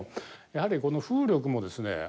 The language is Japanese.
やはりこの風力もですね